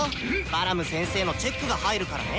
バラム先生のチェックが入るからね！」。